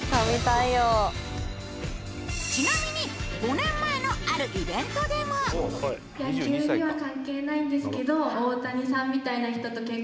ちなみに５年前のあるイベントでも明るい人？